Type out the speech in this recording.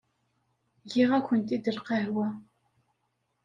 Giɣ-akent-id lqahwa.